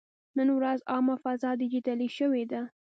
نن ورځ عامه فضا ډیجیټلي شوې ده.